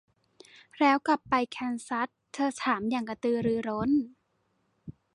แล้วกลับไปแคนซัส ? เธอถามอย่างกระตือรือร้น